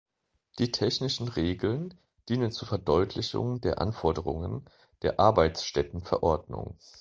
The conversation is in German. Die Technischen Regeln dienen zur Verdeutlichung der Anforderungen der Arbeitsstättenverordnung.